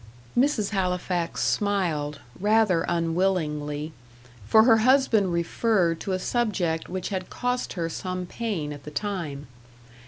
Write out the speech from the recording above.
Mrs. Halifax smiled, rather unwillingly, for her husband referred to a subject which had cost her some pain at the time.